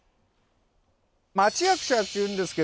町役者っていうんですけど。